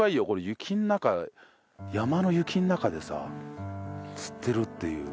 雪の中山の雪の中でさ釣ってるっていう。